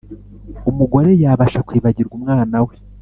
Umugore yabasha kwibagirwa umwana we